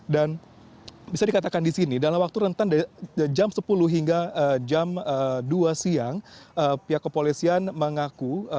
dan bisa dikatakan di sini dalam waktu rentan dari jam sepuluh hingga jam dua siang pihak kepolisian mengaku